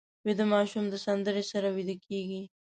ویده ماشوم د سندرې سره ویده کېږي